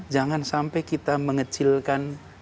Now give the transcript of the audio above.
jangan sampai kita mengecilkan